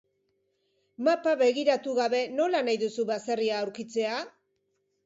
Mapa begiratu gabe nola nahi duzu baserria aurkitzea?